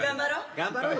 頑張ろうよ。